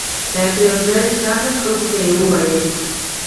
تر یوه ځایه چې راغله خلکو ته یې وویل.